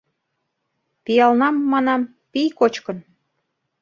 Пиалнам, манам, пий кочкын...